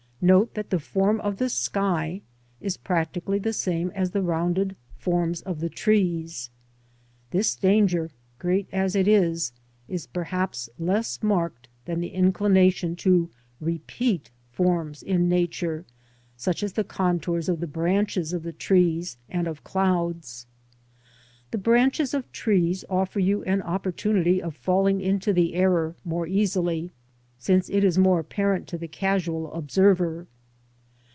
Note that the form of the sky is practically the same as the rounded forms of the trees. This danger, great as it is, is perhaps less marked than the inclination to repeat forms in Nature, such as the contours of the branches of the trees and of clouds. The branches of trees offer you an opportunity of falling into the error more easily, since it is more apparent to the casual observer.